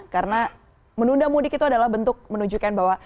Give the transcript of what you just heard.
karena menunda mudik itu adalah bentuk menunjukkan bahwa